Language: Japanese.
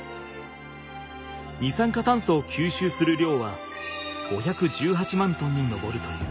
二酸化炭素を吸収する量は５１８万トンに上るという。